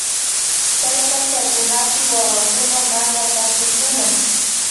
Kay pachakunapi wawakuna manakasukkuna.